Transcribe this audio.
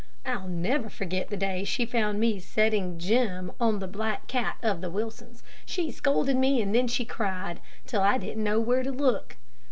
I'll never forget the day she found me setting Jim on that black cat of the Wilsons. She scolded me, and then she cried, till I didn't know where to look.